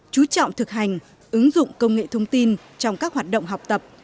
chú trọng thực hành ứng dụng công nghệ thông tin trong các hoạt động học tập